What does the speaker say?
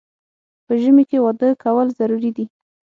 په ژمي کې واده کول ضروري دي